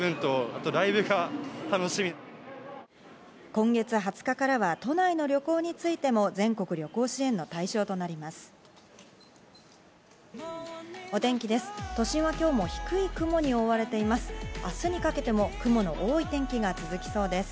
今月２０日からは都内の旅行についても全国旅行支援の対象となります。